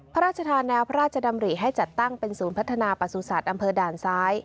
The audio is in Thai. พระราชทานแนวพระราชดำริให้จัดตั้งเป็นศูนย์พัฒนาประสุทธิ์อำเภอด่านซ้าย